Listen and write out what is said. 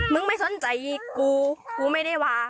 ไม่สนใจกูกูไม่ได้ว่า